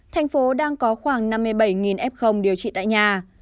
tp hcm đang có khoảng năm mươi bảy f điều trị tại nhà